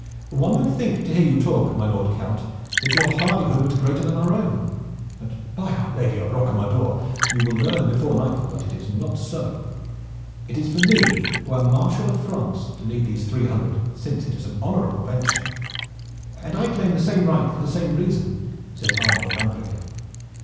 One would think to hear you talk, my Lord Count, that your hardihood was greater than our own, but by our Lady of Rocamadour you will learn before nightfall that it is not so. It is for me, who am a Marshal of France; to lead these three hundred, since it is an honorable venture." "And I claim the same right for the same reason," said Arnold of Andreghen.